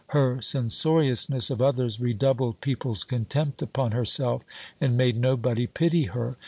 Her censoriousness of others redoubled people's contempt upon herself, and made nobody pity her.